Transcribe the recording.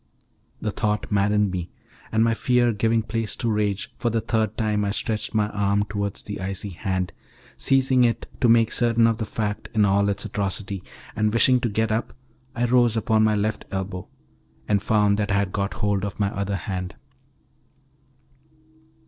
The thought maddened me; and my fear giving place to rage, for the third time I stretched my arm towards the icy hand, seizing it to make certain of the fact in all its atrocity, and wishing to get up, I rose upon my left elbow, and found that I had got hold of my other hand.